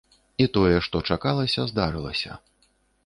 І тое, што чакалася, здарылася.